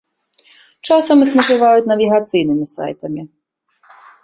Часам іх называюць навігацыйнымі сайтамі.